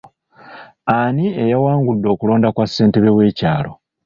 Ani eyawangudde okulonda kwa Ssentebe w'ekyalo?